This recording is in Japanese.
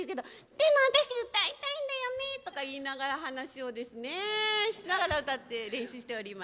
でも私、歌いたいんだよねとか言いながら話をしながら歌って練習しています。